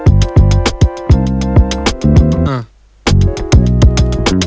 emang sudah tumpang gw